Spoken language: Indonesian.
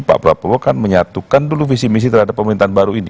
pak prabowo kan menyatukan dulu visi misi terhadap pemerintahan baru ini